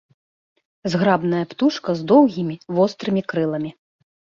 Зграбная птушка з доўгімі, вострымі крыламі.